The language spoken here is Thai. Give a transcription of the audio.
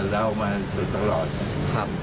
แต่เรามาตลอดคราบ